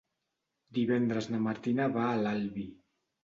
Divendres na Martina va a l'Albi.